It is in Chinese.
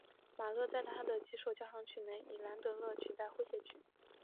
马勒在他的几首交响曲中以兰德勒取代诙谐曲。